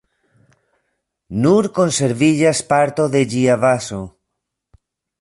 Nur konserviĝas parto de ĝia bazo.